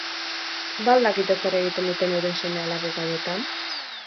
Ba al dakite zer egiten duten euren seme-alabek gauetan?